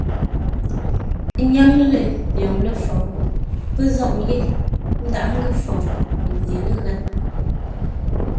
Ńnyáŋ lə̂ lwoŋ ləfou, pə́ zôʼ yé ńdaghʼ ńgʉ́ fou mənye ləghěi.